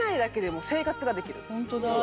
ホントだ。